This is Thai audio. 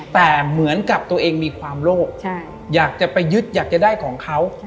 แต่เหมือนกับตัวเองมีความโลภอยากจะไปยึดอยากจะได้ของเขา